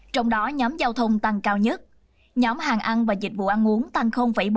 trong đó nhóm giao thông tăng cao nhất nhóm hàng ăn và dịch vụ ăn uống tăng bốn mươi